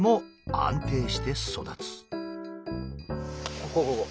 ここここ。